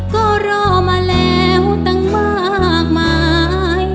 ก็รอมาแล้วตั้งมากมาย